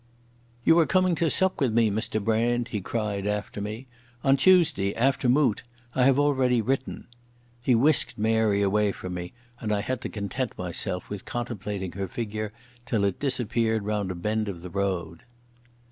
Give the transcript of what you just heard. "You are coming to sup with me, Mr Brand," he cried after me. "On Tuesday after Moot. I have already written." He whisked Mary away from me, and I had to content myself with contemplating her figure till it disappeared round a bend of the road.